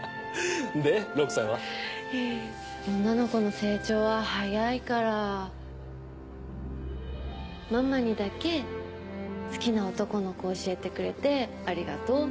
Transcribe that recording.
女の子の成長は早いからママにだけ好きな男の子教えてくれてえ？